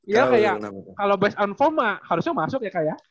iya kayak kalo base on forma harusnya masuk ya kayak